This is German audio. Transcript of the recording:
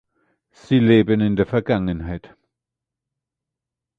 Sie leben in der Vergangenheit.